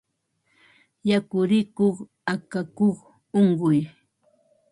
Yakurikuq akakuy unquy